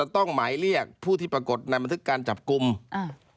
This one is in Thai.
ต้องหมายเรียกผู้ที่ปรากฏในบันทึกการจับกลุ่มอ่า